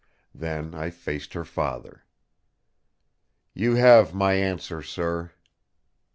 Then I faced her father. "You have my answer, sir!"